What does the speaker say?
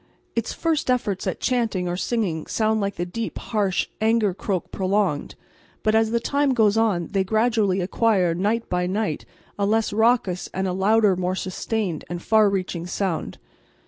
Its first efforts at chanting or singing sounds like the deep, harsh, anger croak prolonged, but as the time goes on they gradually acquire, night by night, a less raucous and a louder, more sustained and far reaching sound.